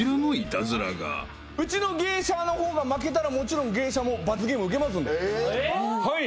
うちの芸者の方が負けたらもちろん芸者も罰ゲーム受けますんで。